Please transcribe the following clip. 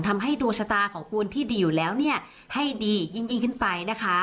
ทำให้ดูชฎาของคุณที่ดีอยู่แล้วให้ดียิ่งขึ้นไป